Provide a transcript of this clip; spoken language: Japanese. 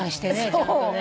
ちゃんとね。